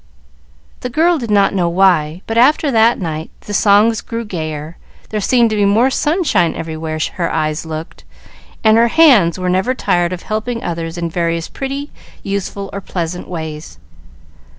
The girl did not know why, but after that night the songs grew gayer, there seemed to be more sunshine everywhere her eyes looked, and her hands were never tired of helping others in various pretty, useful, or pleasant ways.